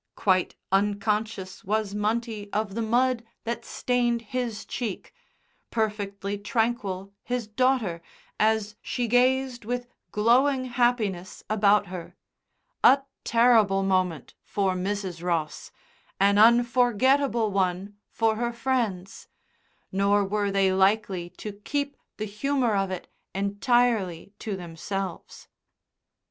Quite unconscious was Munty of the mud that stained his cheek, perfectly tranquil his daughter as she gazed with glowing happiness about her. A terrible moment for Mrs. Ross, an unforgettable one for her friends; nor were they likely to keep the humour of it entirely to themselves.